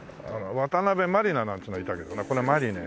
渡辺満里奈なんていうのがいたけどねこれマリネね。